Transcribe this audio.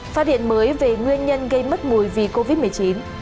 phát điện mới về nguyên nhân gây mất mũi vì covid một mươi chín